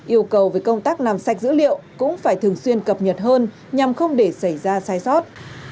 yêu cầu về công tác làm sạch dữ liệu cũng phải thường xuyên cập nhật hơn nhằm không để xảy ra sai sót